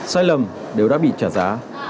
sai lầm đều đã bị trả giá